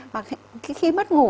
và khi mất ngủ